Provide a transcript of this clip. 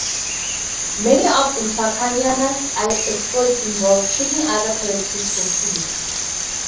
Many of Uhlakayana’s exploits involved tricking other characters for food.